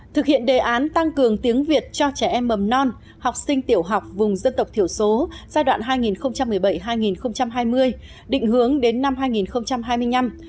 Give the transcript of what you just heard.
thực hiện đề án tăng cường tiếng việt cho trẻ em mầm non học sinh tiểu học vùng dân tộc thiểu số giai đoạn hai nghìn một mươi bảy hai nghìn hai mươi định hướng đến năm hai nghìn hai mươi năm